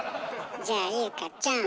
じゃあ優香ちゃん